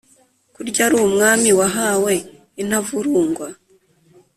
kurya ari umwami wahawe intavurungwa,